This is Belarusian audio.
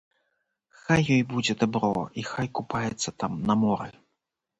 Хай ёй будзе дабро і хай купаецца там на моры.